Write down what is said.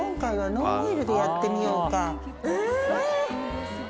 ノンオイルでやってみよう。